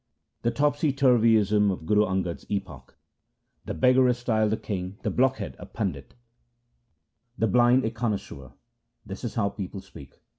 The topsy turvyism of Guru Angad's epoch :— The beggar is styled a king, the blockhead a pandit, The blind a connoisseur — that is how people speak.